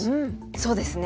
そうですね。